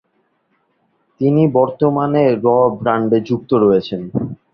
তিনি বর্তমানে র ব্র্যান্ডে যুক্ত রয়েছেন।